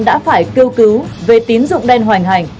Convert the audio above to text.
đã phải kêu cứu về tín dụng đen hoành hành